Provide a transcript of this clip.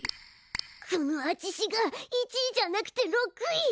このあちしが１位じゃなくて６位。